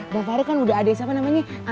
pak farug kan udah ada siapa namanya